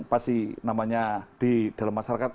pasti namanya di dalam masyarakat